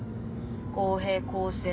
公平公正。